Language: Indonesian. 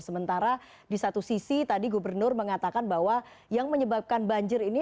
sementara di satu sisi tadi gubernur mengatakan bahwa yang menyebabkan banjir ini